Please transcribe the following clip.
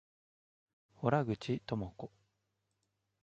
洞口朋子